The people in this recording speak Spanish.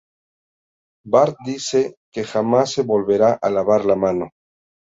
Bart dice que jamás se volvería a lavar la mano.